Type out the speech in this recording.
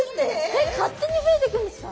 えっ勝手に増えていくんですか？